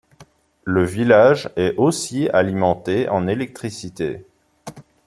Le village est aussi alimenté en électricité.